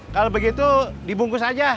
kalau begitu dibungkus aja